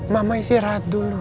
mama istirahat dulu